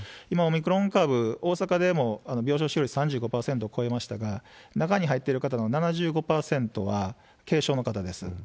今オミクロン株、大阪でも病床使用率３５％超えましたが、中に入ってる方の７５％は軽症の方です。